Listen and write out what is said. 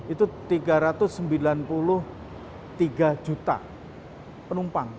itu tiga ratus sembilan puluh tiga juta penumpang